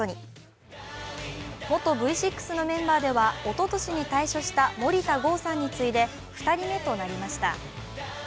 元Ｖ６のメンバーではおととしに退所した森田剛さんに次いで２人目となりました。